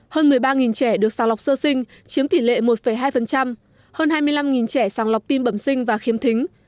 hơn một mươi ba trẻ được sàng lọc sơ sinh chiếm tỷ lệ một hai hơn hai mươi năm trẻ sàng lọc tim bẩm sinh và khiếm thính